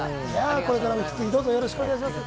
これからもどうぞよろしくお願いします。